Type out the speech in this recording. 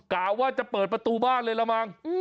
กะว่าจะเปิดประตูบ้านเลยละมั้ง